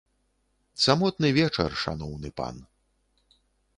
Самотны вечар, шаноўны пан.